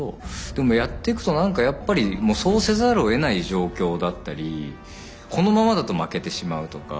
でもやっていくと何かやっぱりもうそうせざるをえない状況だったりこのままだと負けてしまうとか。